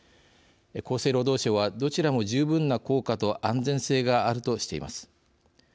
厚生労働省は、どちらも「十分な効果と安全性がある」としています。